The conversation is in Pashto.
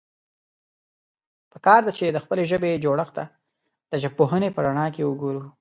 پکار ده، چې د خپلې ژبې جوړښت ته د ژبپوهنې په رڼا کې وګورو.